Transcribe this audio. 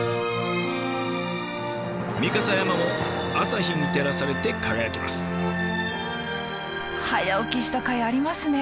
御蓋山も朝日に照らされて輝きます。